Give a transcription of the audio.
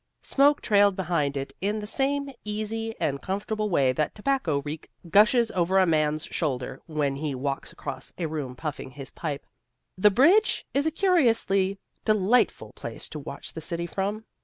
Smoke trailed behind it in the same easy and comfortable way that tobacco reek gushes over a man's shoulder when he walks across a room puffing his pipe. The bridge is a curiously delightful place to watch the city from.